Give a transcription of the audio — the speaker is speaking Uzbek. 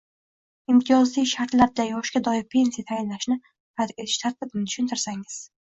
imtiyozli shartlarda yoshga doir pensiya tayinlashni rad etish tartibini tushuntirsangiz.